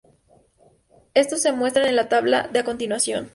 Estos se muestran en la tabla de a continuación.